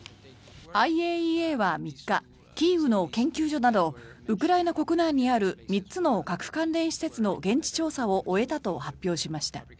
ＩＡＥＡは３日キーウの研究所などウクライナ国内にある３つの核関連施設の現地調査を終えたと発表しました。